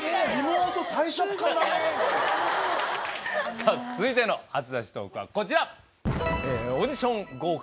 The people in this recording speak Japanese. さぁ続いての初出しトークはこちら。